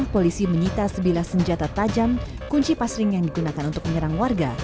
polisi menyita sebilah senjata tajam kunci pasring yang digunakan untuk menyerang warga